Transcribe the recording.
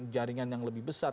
jaringan yang lebih besar